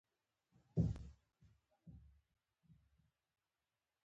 په برېټانیا کې مزد لوړ او د لوړېدو په حال کې و.